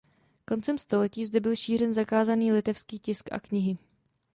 Koncem století zde byl šířen zakázaný litevský tisk a knihy.